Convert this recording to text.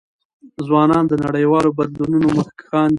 ځوانان د نړیوالو بدلونونو مخکښان دي.